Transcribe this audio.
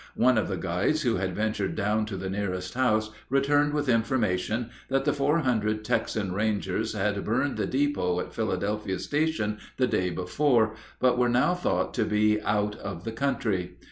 One of the guides who had ventured down to the nearest house returned with information that the four hundred Texan Rangers had burned the depot at Philadelphia Station the day before, but were now thought to be out of the country.